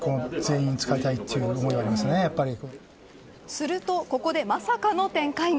すると、ここでまさかの展開が。